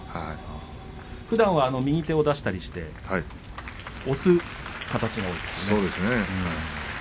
ふだんは右手を出して押す形が多いですね。